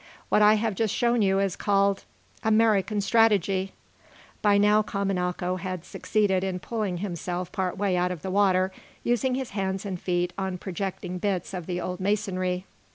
What I have just shown you is called American strategy!" By now Kamanako had succeeded in pulling himself part way out of the water, using his hands and feet on projecting bits of the old masonry.